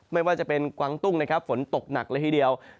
ไม่ว่าจะเป็นกวางตุ้งนะครับฝนตกหนักเลยทีเดียว